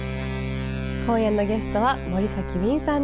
今夜のゲストは森崎ウィンさんです。